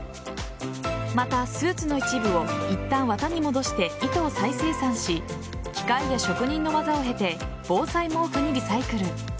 また、スーツの一部をいったん綿に戻して糸を再生産し機械や職人の技を経て防災毛布にリサイクル。